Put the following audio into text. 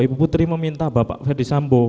ibu putri meminta bapak ferdisambo